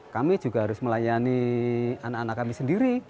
kami juga harus melayani anak anak kami sendiri